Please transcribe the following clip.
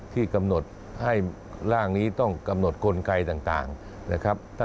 ที่กำหนดให้ร่างนี้ต้องกำหนดกลไกต่างนะครับ